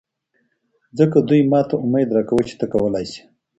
ځکه دوي ماته اميد راکوه چې ته کولې شې.